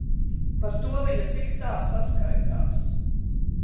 Par to viņa tik tā saskaitās.